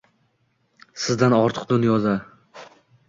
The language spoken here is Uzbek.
Sizdan ortiq dunyoda.